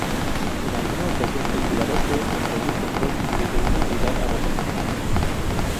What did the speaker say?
En alguna ocasión, el jugador puede transferir control desde una unidad a otra.